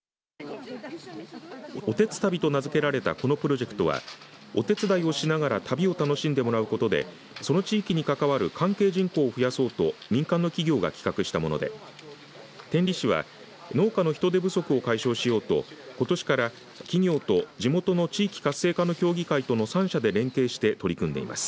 おてつたびと名付けられたこのプロジェクトはお手伝いをしながら旅を楽しんでもらうことでその地域に関わる関係人口を増やそうと民間の企業が企画したもので天理市は農家の人手不足を解消しようとことしから企業と地元の地域活性化の協議会との３者で連携して取り組んでいます。